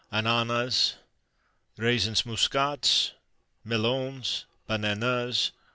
Ananas. Raisins Muscats. Melons. Bananas.